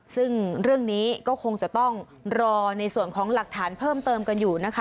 ซึ่งเรื่องนี้ก็คงจะต้องรอในส่วนของหลักฐานเพิ่มเติมกันอยู่นะคะ